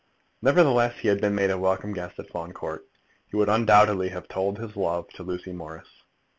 Nevertheless, had he been made a welcome guest at Fawn Court, he would undoubtedly have told his love to Lucy Morris.